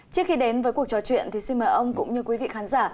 trước khi đến với cuộc trò chuyện thì xin mời ông cũng như quý vị khán giả